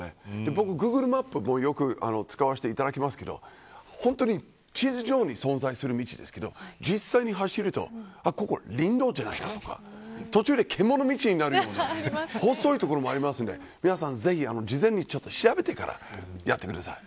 僕、Ｇｏｏｇｌｅマップもよく使いますが本当に地図上に存在する道ですけど実際に走ると林道じゃないかとか途中でけもの道になるような細い所もありますので皆さん、ぜひ事前に調べてからやってください。